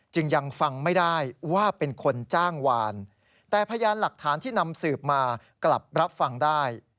จึงยังฟังไม่ได้ว่าเป็นคนจ้างวานแต่พยานหลักฐานที่นำสืบมากลับรับฟังได้